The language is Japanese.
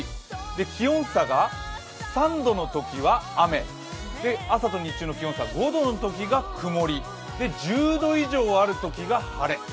気温差が３度のときは雨朝と日中の気温差５度のときが曇り１０度以上あるときが晴れ。